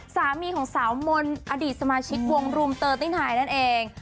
สามีของสาวมนต์อดีตสมาชิกวงรุมเตอร์ตี้นายนั่นเอง